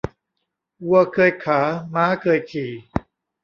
วัวเคยขา ม้าเคยขี่